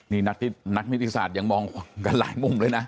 นี่นักนิติศาสตร์ยังมองกันหลายมุมเลยนะ